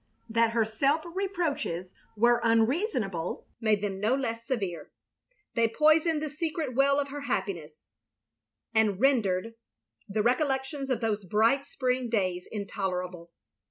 " That her self reproaches were unreasonable made them no less severe. They poisoned the secret well of her happiness, and rendered the recollections of those bright spring days intolerable.